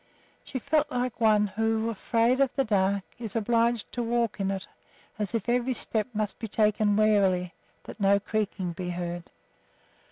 She felt like one who, afraid of the dark, is obliged to walk in it; as if every step must be taken warily, that no creaking be heard.